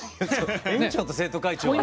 園長と生徒会長は。